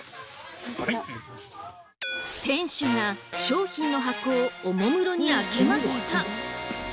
店主が商品の箱をおもむろに開けました。